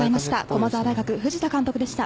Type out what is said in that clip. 駒澤大学、藤田監督でした。